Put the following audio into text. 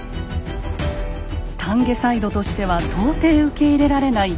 丹下サイドとしては到底受け入れられない